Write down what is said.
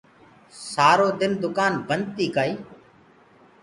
سآرو دن دُڪآن بنٚد تيٚ ڪآئيٚ